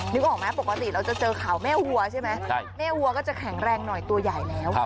นึกออกไหมปกติเราจะเจอข่าวแม่วัวใช่ไหมแม่วัวก็จะแข็งแรงหน่อยตัวใหญ่แล้ว